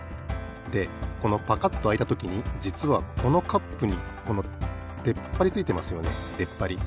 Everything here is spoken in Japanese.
でこのパカッとあいたときにじつはこのカップにこのでっぱりついてますよね。でっぱり。